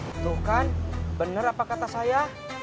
tuh kan bener apa kata saya